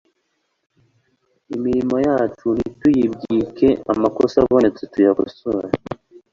Imirimo yacu ntituyibwike amakosa abonetse tuyakosore